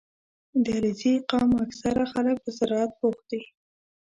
• د علیزي قوم اکثره خلک په زراعت بوخت دي.